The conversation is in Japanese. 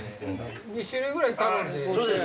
２種類ぐらい頼んで。